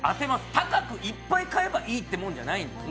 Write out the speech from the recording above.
高くいっぱい買えばいいってもんじゃないです。